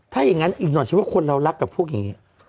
ถ้าอย่างนั้นอีกหน่อยฉันว่าคนเรารักกับพวกอย่างนี้